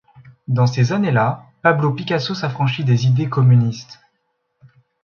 Dans ces années-là, Pablo Picasso s'affranchit des idées communistes.